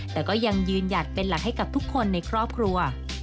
แต่ก็ยังยืนหยัดเป็นหลักให้กับทุกคนในครอบครัว